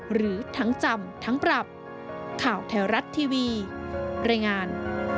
หรือทั้งจำทั้งปรับข่าวแถวรัฐทีวีรายงาน